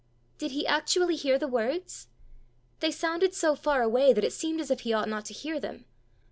Did he actually hear the words? They sounded so far away that it seemed as if he ought not to hear them.